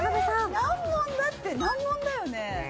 難問だって難問だよね？